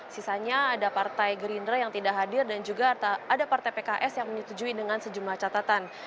sisanya ada partai gerindra yang tidak hadir dan juga ada partai pks yang menyetujui dengan sejumlah catatan